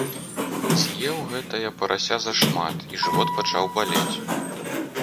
З'еў гэта я парася зашмат, і жывот пачаў балець.